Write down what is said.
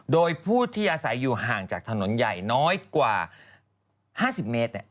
โดยผู้ที่อาศัยอยู่ห่างจากถนนใหญ่น้อยกว่า๕๐เมตร